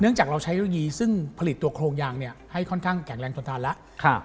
จากเราใช้เทคโนโลยีซึ่งผลิตตัวโครงยางเนี่ยให้ค่อนข้างแข็งแรงทนทานแล้ว